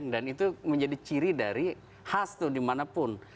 dan itu menjadi ciri dari khas tuh dimanapun